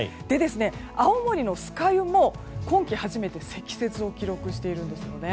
青森の酸ヶ湯も今季初めて積雪を記録しているんですね。